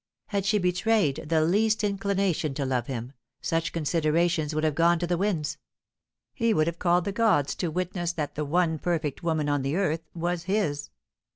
Had she betrayed the least inclination to love him, such considerations would have gone to the winds; he would have called the gods to witness that the one perfect woman on the earth was his.